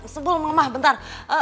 sebul mama bentar